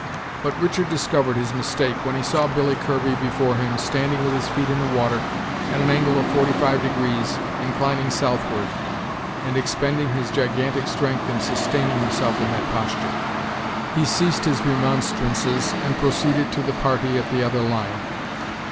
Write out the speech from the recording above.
But Richard discovered his mistake, when he saw Billy Kirby before him, standing with his feet in the water, at an angle of forty five degrees, inclining southward, and expending his gigantic strength in sustaining himself in that posture. He ceased his remonstrances, and proceeded to the party at the other line.